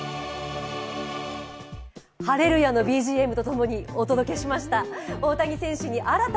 ハレルヤのＢＧＭとともにお届けしました。